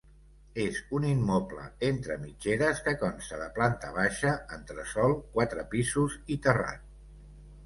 És un immoble entre mitgeres que consta de planta baixa, entresòl, quatre pisos i terrat.